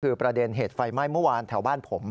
คือประเด็นเหตุไฟไหม้เมื่อวานแถวบ้านผม